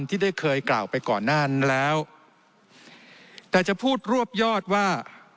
ที่ได้เคยกล่าวไปก่อนหน้านั้นแล้วแต่จะพูดรวบยอดว่า